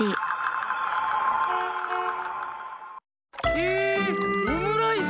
へえオムライス？